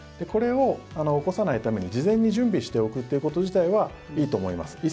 これを起こさないために事前に準備しておくこと自体はいいと思います。